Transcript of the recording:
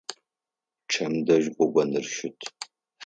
Пчъэм дэжь гогоныр щыт.